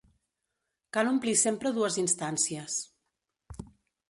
Cal omplir sempre dues instàncies.